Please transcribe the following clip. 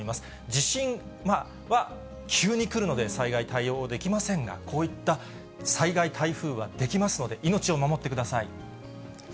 地震は急に来るので災害対応できませんが、こういった災害台風はできますので、命を守ってください。